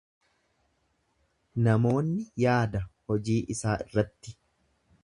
Namoonni yaada hojii isaa irratti.